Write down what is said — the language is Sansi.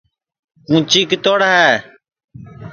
کُونٚچی کِتوڑ ہے